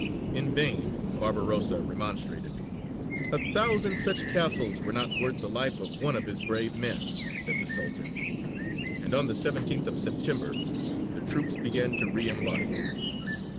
In vain Barbarossa remonstrated: "A thousand such castles were not worth the life of one of his brave men," said the Sultan, and on the 17th of September the troops began to re embark.